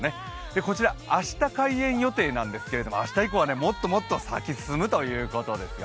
こちら、明日開園予定なんですけど明日以降はもっともっと咲き進むということですよ。